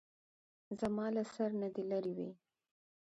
زما له سر نه دې لېرې وي.